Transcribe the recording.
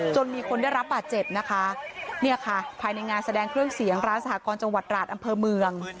มีคนได้รับบาดเจ็บนะคะเนี่ยค่ะภายในงานแสดงเครื่องเสียงร้านสหกรจังหวัดราชอำเภอเมือง